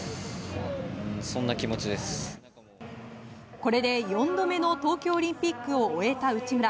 これで４度目の東京オリンピックを終えた内村。